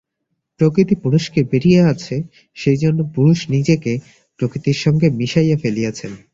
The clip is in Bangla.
প্রকৃতি পুরুষকে বেড়িয়া আছে, সেইজন্য পুরুষ নিজেকে প্রকৃতির সঙ্গে মিশাইয়া ফেলিয়াছেন।